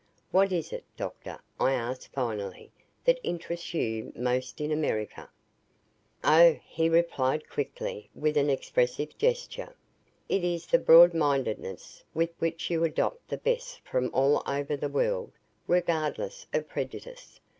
"What is it, Doctor," I asked finally, "that interests you most in America?" "Oh," he replied quickly with an expressive gesture, "it is the broadmindedness with which you adopt the best from all over the world, regardless of prejudice.